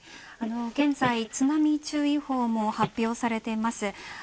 現在、津波注意報も発表されています。